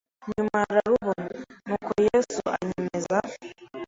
nyuma ararubona, nuko Yesu anyemeza